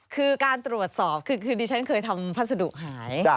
คือการตรวจสอบคือดิฉันเคยทำพัสดุหาย